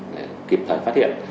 để kịp thời phát hiện